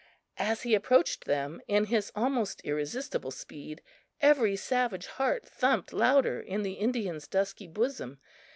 As he approached them in his almost irresistible speed, every savage heart thumped louder in the Indian's dusky bosom.